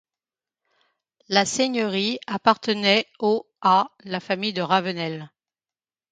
La seigneurie appartenait au à la famille de Ravenel.